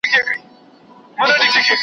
د خیال نیلی دي د جنون له بیابانه نه ځي .